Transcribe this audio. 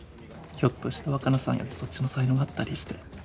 ひょっとして若菜さんよりそっちの才能があったりして。